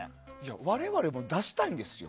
我々も出したいんですよ。